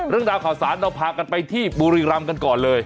เรื่องราวข่าวสารเราพากันไปที่บุรีรำกันก่อนเลย